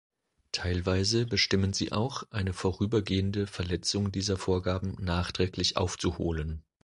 Teilweise bestimmen sie auch, eine vorübergehende Verletzung dieser Vorgaben nachträglich aufzuholen.